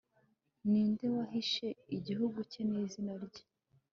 Ninde wahishe igihugu cye nizina rye